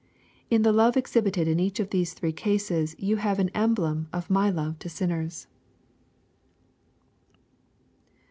In the love exhibited in each of these three cases you have an emblem of my love to sin ners."